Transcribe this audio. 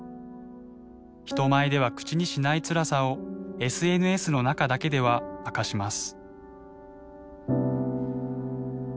人前では口にしないつらさをＳＮＳの中だけでは明かします。